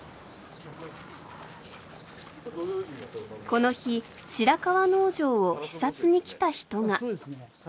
この日白川農場を視察に来た人が。